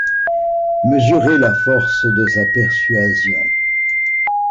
Mesurez la force de sa persuasion.